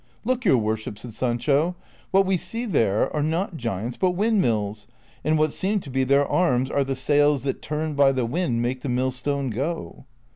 " Look, your worship," said Sancho ;" what we see there are not giants but windmills, and what seem to be their arms are the sails that turned by tLe wind make the millstone tjo."